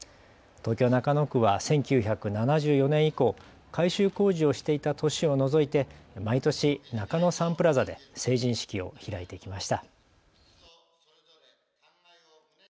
東京中野区は１９７４年以降、改修工事をしていた年を除いて毎年、中野サンプラザで成人式を開いてきました。